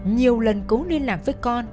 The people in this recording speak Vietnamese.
nhiều lần cũng liên lạc với con